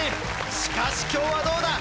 しかし今日はどうだ？